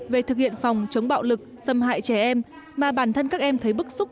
về thực hiện phòng chống bạo lực xâm hại trẻ em mà bản thân các em thấy bức xúc